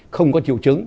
không có triệu chứng